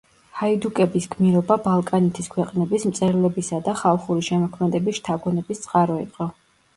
ჰაიდუკების გმირობა ბალკანეთის ქვეყნების მწერლებისა და ხალხური შემოქმედების შთაგონების წყარო იყო.